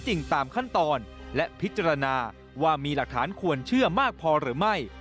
จริงตามขั้นตอนและพิจารณาว่ามีหลักฐานควรเชื่อมากพอหรือไม่